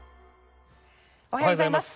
おはようございます。